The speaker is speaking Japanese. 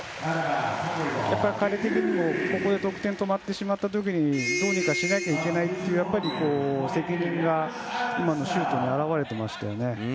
やっぱり彼的にもここで得点が止まってしまった時にどうにかしなきゃいけないという責任が今のシュートに表れていましたね。